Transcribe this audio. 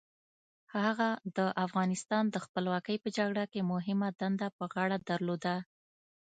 هغه د افغانستان د خپلواکۍ په جګړه کې مهمه دنده په غاړه درلوده.